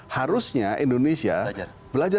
harusnya indonesia belajar